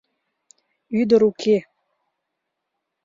— Ӱдыр уке.